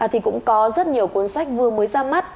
thì cũng có rất nhiều cuốn sách vừa mới ra mắt